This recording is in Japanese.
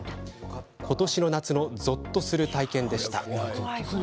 今年の夏のぞっとする体験でした。